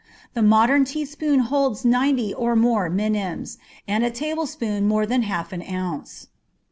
The modern teaspoon holds ninety or more minims, and a tablespoon more than half an ounce.